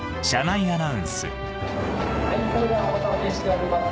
それではお待たせしております。